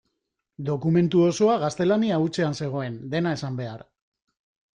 Dokumentu osoa gaztelania hutsean zegoen, dena esan behar.